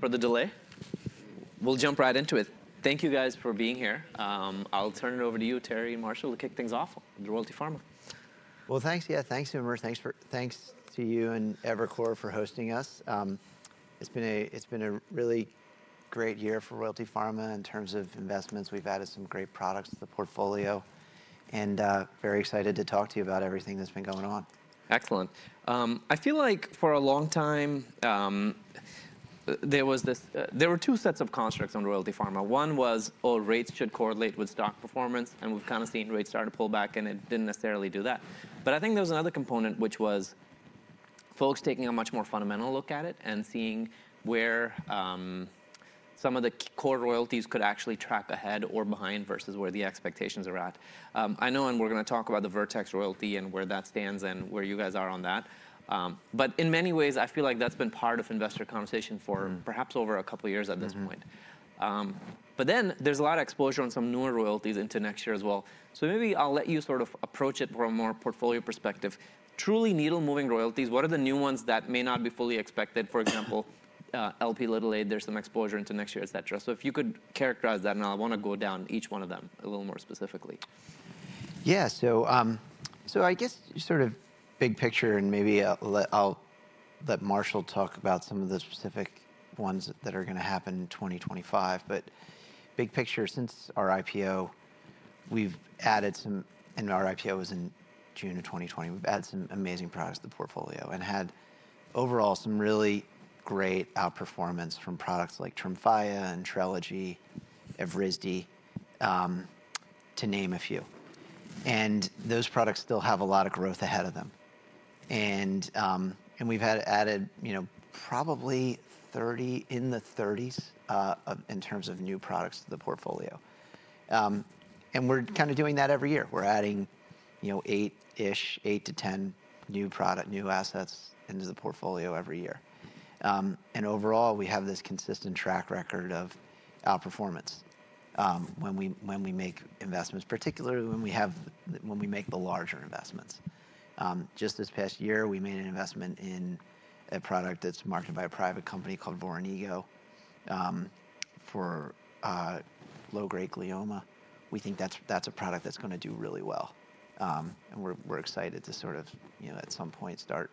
For the delay, we'll jump right into it. Thank you, guys, for being here. I'll turn it over to you, Terry and Marshall, to kick things off with Royalty Pharma. Thanks, yeah, thanks, Umer. Thanks to you and Evercore for hosting us. It's been a really great year for Royalty Pharma in terms of investments. We've added some great products to the portfolio. And very excited to talk to you about everything that's been going on. Excellent. I feel like for a long time there were two sets of constructs on Royalty Pharma. One was, oh, rates should correlate with stock performance. And we've kind of seen rates start to pull back, and it didn't necessarily do that. But I think there was another component, which was folks taking a much more fundamental look at it and seeing where some of the core royalties could actually track ahead or behind versus where the expectations are at. I know we're going to talk about the Vertex royalty and where that stands and where you guys are on that. But in many ways, I feel like that's been part of investor conversation for perhaps over a couple of years at this point. But then there's a lot of exposure on some newer royalties into next year as well. So maybe I'll let you sort of approach it from a more portfolio perspective. Truly needle-moving royalties, what are the new ones that may not be fully expected? For example, Lp(a), there's some exposure into next year, et cetera. So if you could characterize that, and I want to go down each one of them a little more specifically. Yeah, so I guess sort of big picture, and maybe I'll let Marshall talk about some of the specific ones that are going to happen in 2025. But big picture, since our IPO, we've added some, and our IPO was in June of 2020, we've added some amazing products to the portfolio and had overall some really great outperformance from products like Tremfya and Trikafta, to name a few. And those products still have a lot of growth ahead of them. And we've added probably 30 in the 30s in terms of new products to the portfolio. And we're kind of doing that every year. We're adding eight-ish, eight to 10 new assets into the portfolio every year. And overall, we have this consistent track record of outperformance when we make investments, particularly when we make the larger investments. Just this past year, we made an investment in a product that's marketed by a private company called Voranigo for low-grade glioma. We think that's a product that's going to do really well. And we're excited to sort of, at some point, start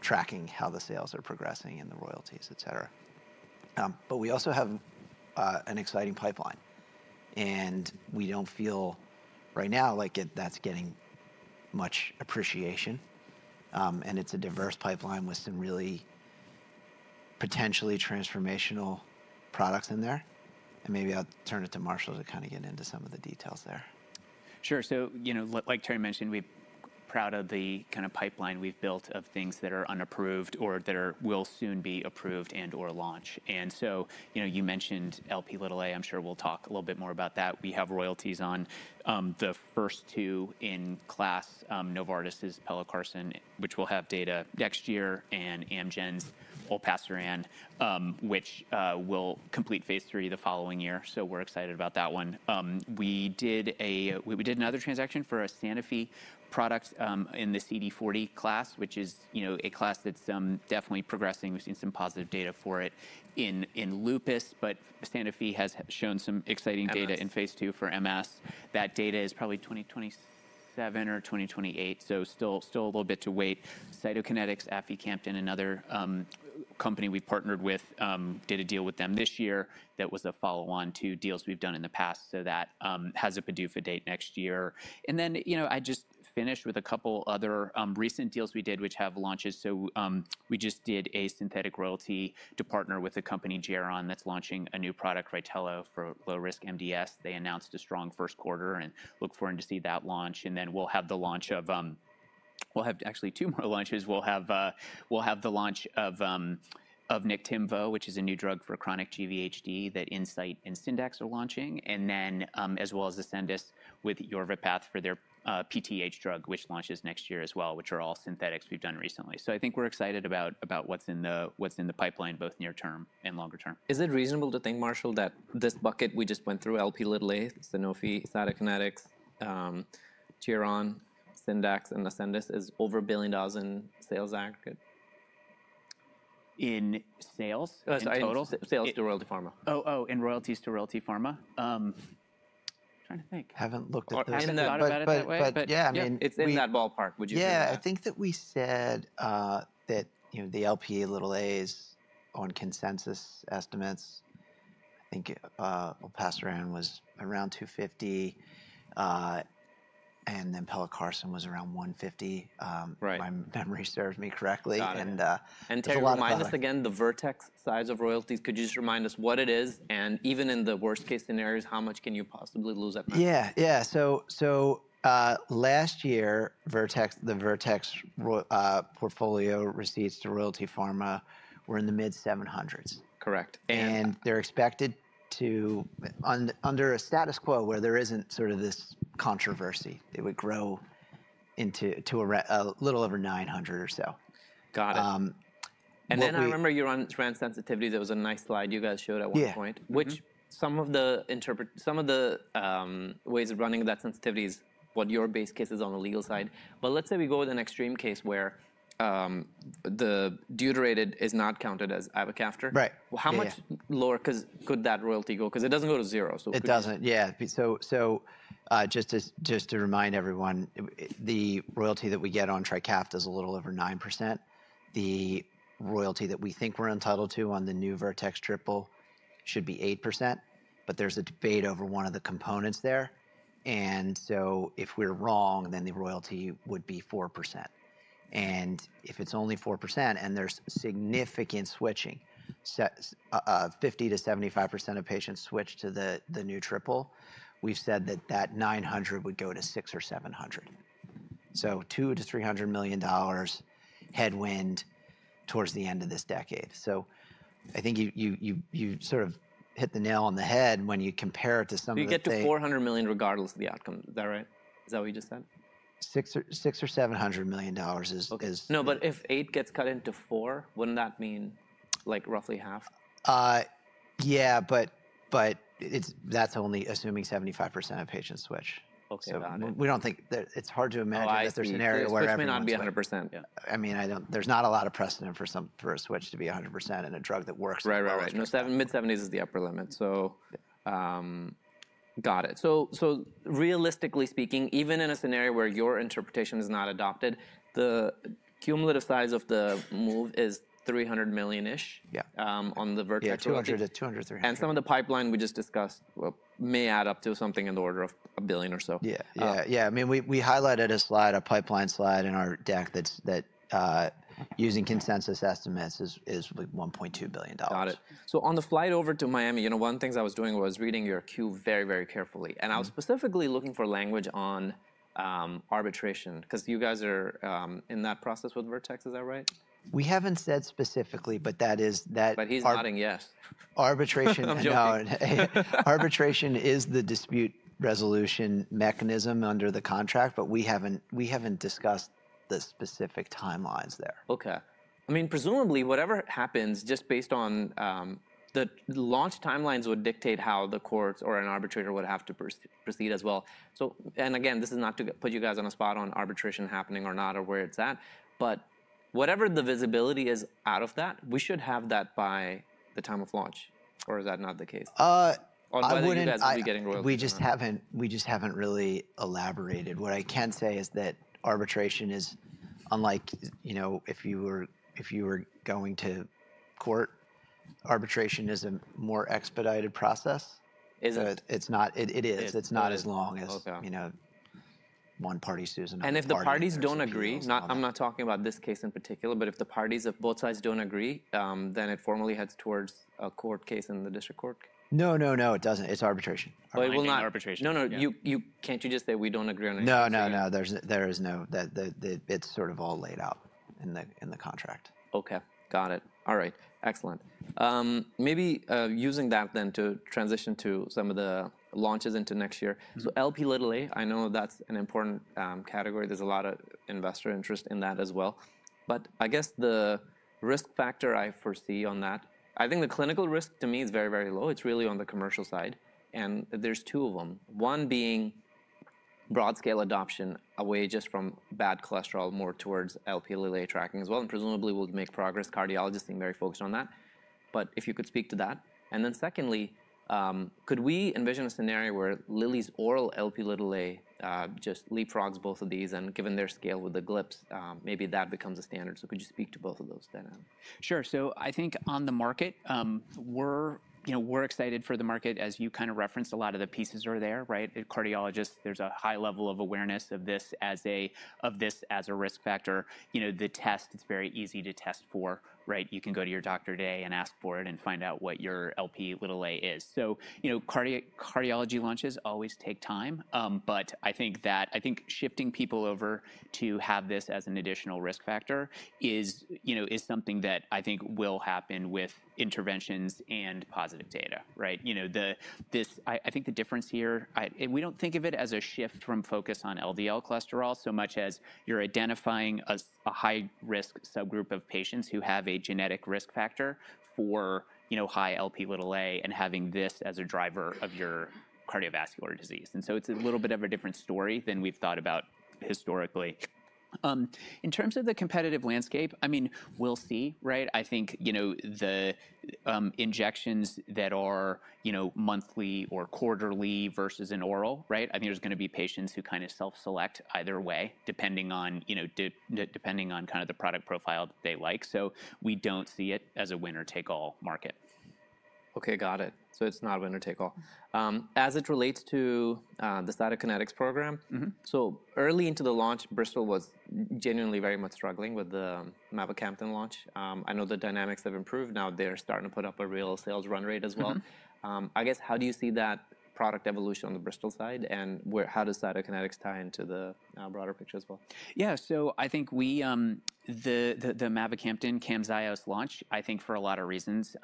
tracking how the sales are progressing and the royalties, et cetera. But we also have an exciting pipeline. And we don't feel right now like that's getting much appreciation. And it's a diverse pipeline with some really potentially transformational products in there. And maybe I'll turn it to Marshall to kind of get into some of the details there. Sure, so like Terry mentioned, we're proud of the kind of pipeline we've built of things that are unapproved or that will soon be approved and/or launched, and so you mentioned Lp(a). I'm sure we'll talk a little bit more about that. We have royalties on the first two in class, Novartis' pelacarsen, which will have data next year, and Amgen's olpasiran, which will complete phase III the following year, so we're excited about that one. We did another transaction for a Sanofi product in the CD40 class, which is a class that's definitely progressing. We've seen some positive data for it in lupus, but Sanofi has shown some exciting data in phase II for MS. That data is probably 2027 or 2028, so still a little bit to wait. Cytokinetics, aficamten, another company we partnered with, did a deal with them this year that was a follow-on to deals we've done in the past. So that has a PDUFA date next year. And then I just finished with a couple of other recent deals we did, which have launches. So we just did a synthetic royalty to partner with a company, Geron, that's launching a new product, Rytelo, for low-risk MDS. They announced a strong first quarter and look forward to see that launch. And then we'll have the launch of. We'll have actually two more launches. We'll have the launch of Niktimvo, which is a new drug for chronic GVHD that Incyte and Syndax are launching, and then as well as Ascendis with Yorvipath for their PTH drug, which launches next year as well, which are all synthetics we've done recently. So I think we're excited about what's in the pipeline, both near-term and longer-term. Is it reasonable to think, Marshall, that this bucket we just went through, Lp(a), Sanofi, Cytokinetics, Geron, Syndax, and Ascendis, is over $1 billion in sales aggregate? In sales? Sales to Royalty Pharma. Oh, in royalties to Royalty Pharma? I'm trying to think. Haven't looked at those in that bucket. Haven't thought about it that way? But yeah, I mean. It's in that ballpark, would you say? Yeah, I think that we said that the Lp(a) is on consensus estimates. I think olpasiran was around 250, and then pelacarsen was around 150, if my memory serves me correctly. Terry, remind us again the size of the Vertex royalties. Could you just remind us what it is? Even in the worst-case scenarios, how much can you possibly lose at Vertex? Yeah, yeah. So last year, the Vertex portfolio receipts to Royalty Pharma were in the mid-700s. Correct. And they're expected to, under a status quo where there isn't sort of this controversy, they would grow into a little over 900 or so. Got it, and then I remember you ran sensitivities. It was a nice slide you guys showed at one point. Yeah. Some of the ways of running that sensitivity is what your base case is on the legal side. But let's say we go with an extreme case where the deuterated is not counted as ivacaftor. Right. How much lower could that royalty go? Because it doesn't go to zero, so good. It doesn't, yeah. So just to remind everyone, the royalty that we get on Trikafta is a little over 9%. The royalty that we think we're entitled to on the new Vertex triple should be 8%. But there's a debate over one of the components there. And so if we're wrong, then the royalty would be 4%. And if it's only 4% and there's significant switching, 50%-75% of patients switch to the new triple, we've said that that 900 would go to 600 or 700. So $200-$300 million headwind towards the end of this decade. So I think you sort of hit the nail on the head when you compare it to some of the. You get to $400 million regardless of the outcome. Is that right? Is that what you just said? $600 or $700 million is. No, but if 800 gets cut into 400, wouldn't that mean roughly half? Yeah, but that's only assuming 75% of patients switch. OK, got it. We don't think that it's hard to imagine that there's an area where everyone would. This may not be 100%. I mean, there's not a lot of precedent for a switch to be 100% in a drug that works. Right, right, right. Mid-70s is the upper limit, so got it. So realistically speaking, even in a scenario where your interpretation is not adopted, the cumulative size of the move is $300 million-ish on the Vertex royalty. Yeah, 200 to 200, 300. Some of the pipeline we just discussed may add up to something in the order of $1 billion or so. Yeah, yeah, yeah. I mean, we highlighted a slide, a pipeline slide in our deck that using consensus estimates is $1.2 billion. Got it. So on the flight over to Miami, one of the things I was doing was reading your 10-Q very, very carefully. And I was specifically looking for language on arbitration, because you guys are in that process with Vertex, is that right? We haven't said specifically, but that is. But he's nodding yes. Arbitration is the dispute resolution mechanism under the contract. But we haven't discussed the specific timelines there. OK. I mean, presumably, whatever happens, just based on the launch timelines would dictate how the courts or an arbitrator would have to proceed as well. And again, this is not to put you guys on a spot on arbitration happening or not or where it's at. But whatever the visibility is out of that, we should have that by the time of launch. Or is that not the case? I wouldn't. On whether you guys would be getting royalty? We just haven't really elaborated. What I can say is that arbitration is unlike if you were going to court, arbitration is a more expedited process. Is it? It is. It's not as long as one party sues another party. If the parties don't agree, I'm not talking about this case in particular, but if the parties of both sides don't agree, then it formally heads towards a court case in the district court? No, no, no, it doesn't. It's arbitration. But it will not be arbitration. No, no. Can't you just say we don't agree on anything? No, no, no. There is no. It's sort of all laid out in the contract. OK, got it. All right, excellent. Maybe using that then to transition to some of the launches into next year. So Lp(a), I know that's an important category. There's a lot of investor interest in that as well. But I guess the risk factor I foresee on that, I think the clinical risk to me is very, very low. It's really on the commercial side. And there's two of them, one being broad-scale adoption away just from bad cholesterol, more towards Lp(a) tracking as well. And presumably, we'll make progress. Cardiologists seem very focused on that. But if you could speak to that. And then secondly, could we envision a scenario where Lilly's oral Lp(a) just leapfrogs both of these? And given their scale with the glips, maybe that becomes a standard. So could you speak to both of those then? Sure. So I think on the market, we're excited for the market, as you kind of referenced, a lot of the pieces are there, right? Cardiologists, there's a high level of awareness of this as a risk factor. The test, it's very easy to test for, right? You can go to your doctor today and ask for it and find out what your Lp(a) is. So cardiology launches always take time. But I think shifting people over to have this as an additional risk factor is something that I think will happen with interventions and positive data, right? I think the difference here, we don't think of it as a shift from focus on LDL cholesterol so much as you're identifying a high-risk subgroup of patients who have a genetic risk factor for high Lp(a) and having this as a driver of your cardiovascular disease. And so it's a little bit of a different story than we've thought about historically. In terms of the competitive landscape, I mean, we'll see, right? I think the injections that are monthly or quarterly versus an oral, right? I think there's going to be patients who kind of self-select either way, depending on kind of the product profile that they like. So we don't see it as a winner-take-all market. OK, got it. So it's not a winner-take-all. As it relates to the Cytokinetics program, so early into the launch, Bristol was genuinely very much struggling with the mavacamten launch. I know the dynamics have improved. Now they're starting to put up a real sales run rate as well. I guess, how do you see that product evolution on the Bristol side? And how does Cytokinetics tie into the broader picture as well? Yeah, so I think the mavacamten/Camzyos launch, I think for a lot of reasons,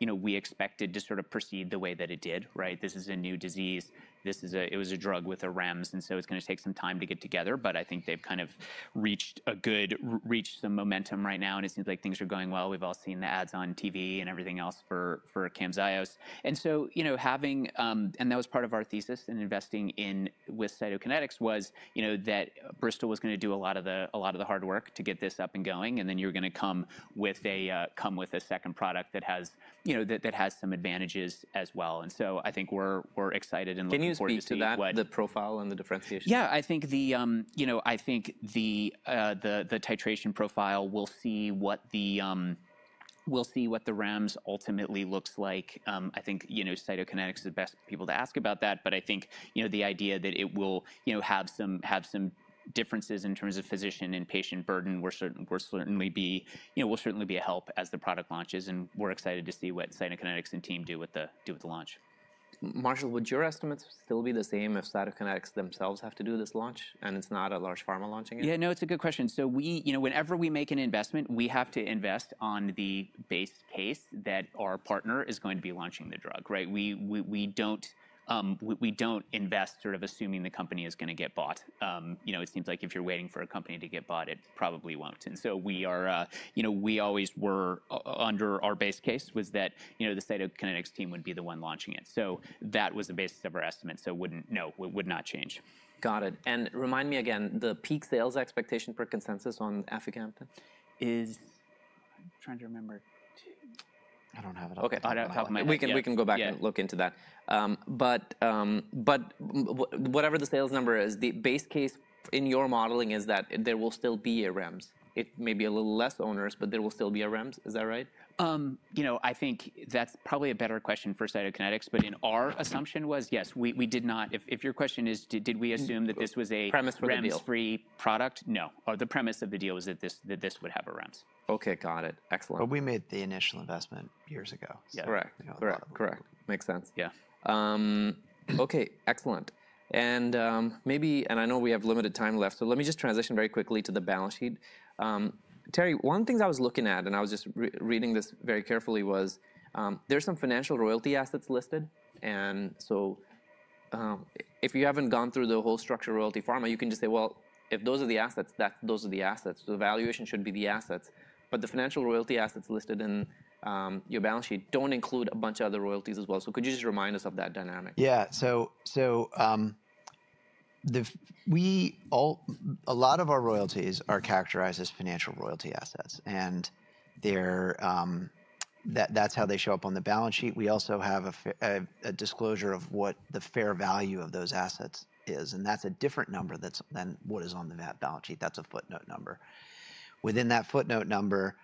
we expected to sort of proceed the way that it did, right? This is a new disease. It was a drug with a REMS. And so it's going to take some time to get together. But I think they've kind of reached some momentum right now. And it seems like things are going well. We've all seen the ads on TV and everything else for Camzyos. And so having, and that was part of our thesis in investing with Cytokinetics, was that Bristol was going to do a lot of the hard work to get this up and going. And then you're going to come with a second product that has some advantages as well. And so I think we're excited and looking forward to seeing what. Can you speak to that, the profile and the differentiation? Yeah, I think the titration profile, we'll see what the REMS ultimately looks like. I think Cytokinetics is the best people to ask about that. But I think the idea that it will have some differences in terms of physician and patient burden, we'll certainly be a help as the product launches. And we're excited to see what Cytokinetics and team do with the launch. Marshall, would your estimates still be the same if Cytokinetics themselves have to do this launch and it's not a large pharma launching it? Yeah, no, it's a good question. So whenever we make an investment, we have to invest on the base case that our partner is going to be launching the drug, right? We don't invest sort of assuming the company is going to get bought. It seems like if you're waiting for a company to get bought, it probably won't. And so we always were, under our base case, was that the Cytokinetics team would be the one launching it. So that was the basis of our estimate. So no, it would not change. Got it. And remind me again, the peak sales expectation for consensus on aficamten is I'm trying to remember. I don't have it on my end. OK, I don't have it on my end. We can go back and look into that. But whatever the sales number is, the base case in your modeling is that there will still be a REMS. It may be a little less onerous, but there will still be a REMS. Is that right? I think that's probably a better question for Cytokinetics. But our assumption was, yes, we did not. If your question is, did we assume that this was a risk-free product? Premise for the deal? No. The premise of the deal was that this would have a REMS. OK, got it. Excellent. We made the initial investment years ago. Correct, correct. Correct. Makes sense. Yeah. OK, excellent. And I know we have limited time left. So let me just transition very quickly to the balance sheet. Terry, one of the things I was looking at, and I was just reading this very carefully, was there's some Financial Royalty Assets listed. And so if you haven't gone through the whole structure of Royalty Pharma, you can just say, well, if those are the assets, those are the assets. The valuation should be the assets. But the Financial Royalty Assets listed in your balance sheet don't include a bunch of other royalties as well. So could you just remind us of that dynamic? Yeah, so a lot of our royalties are characterized as financial royalty assets. And that's how they show up on the balance sheet. We also have a disclosure of what the fair value of those assets is. And that's a different number than what is on the balance sheet. That's a footnote number. Within that footnote number,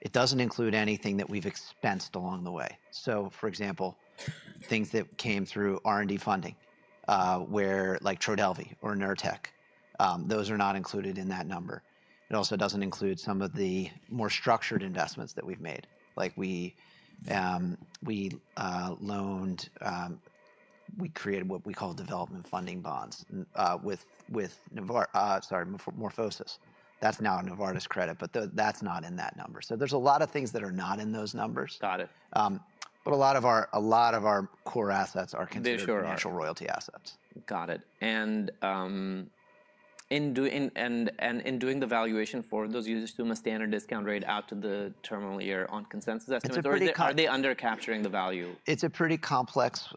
it doesn't include anything that we've expensed along the way. So for example, things that came through R&D funding, like Trodelvy or Nurtec, those are not included in that number. It also doesn't include some of the more structured investments that we've made. We created what we call development funding bonds with, sorry, MorphoSys. That's now Novartis. But that's not in that number. So there's a lot of things that are not in those numbers. Got it. But a lot of our core assets are considered Financial Royalty Assets. Got it. And in doing the valuation for those users to a standard discount rate out to the terminal year on consensus estimates, are they under-capturing the value? It's a pretty complex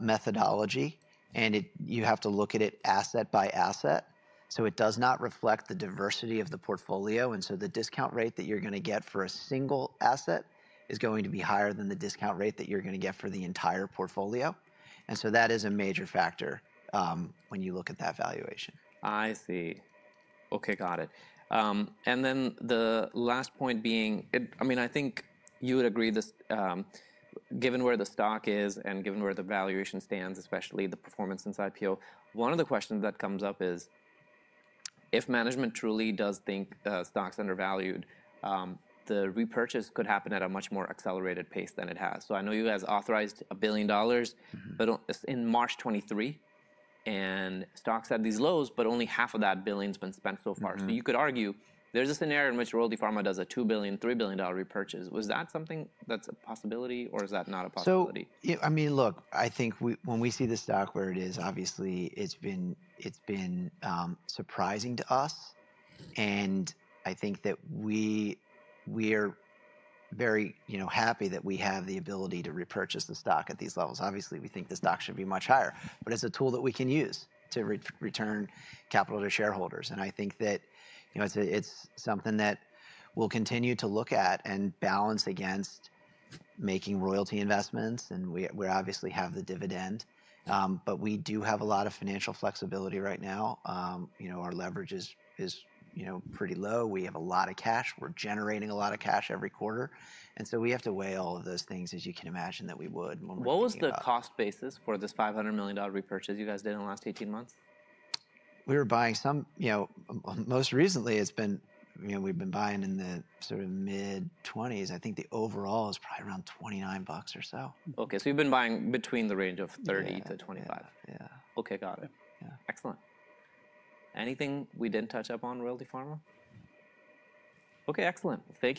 methodology. And you have to look at it asset by asset. So it does not reflect the diversity of the portfolio. And so the discount rate that you're going to get for a single asset is going to be higher than the discount rate that you're going to get for the entire portfolio. And so that is a major factor when you look at that valuation. I see. OK, got it. And then the last point being, I mean, I think you would agree, given where the stock is and given where the valuation stands, especially the performance since IPO, one of the questions that comes up is, if management truly does think stock's undervalued, the repurchase could happen at a much more accelerated pace than it has. So I know you guys authorized $1 billion in March 2023. And stocks had these lows, but only $500 million of that billion's been spent so far. So you could argue there's a scenario in which Royalty Pharma does a $2 billion, $3 billion repurchase. Was that something that's a possibility? Or is that not a possibility? So I mean, look, I think when we see the stock where it is, obviously, it's been surprising to us. And I think that we are very happy that we have the ability to repurchase the stock at these levels. Obviously, we think the stock should be much higher. But it's a tool that we can use to return capital to shareholders. And I think that it's something that we'll continue to look at and balance against making royalty investments. And we obviously have the dividend. But we do have a lot of financial flexibility right now. Our leverage is pretty low. We have a lot of cash. We're generating a lot of cash every quarter. And so we have to weigh all of those things, as you can imagine, that we would. What was the cost basis for this $500 million repurchase you guys did in the last 18 months? We were buying some most recently, we've been buying in the sort of mid-20s. I think the overall is probably around $29 or so. OK, so you've been buying between the range of $30-$25? Yeah. OK, got it. Excellent. Anything we didn't touch up on, Royalty Pharma? OK, excellent. Thank you.